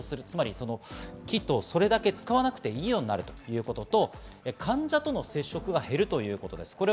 つまりキットをそれだけ使わなくていいようになるということと、患者との接触が減るということです。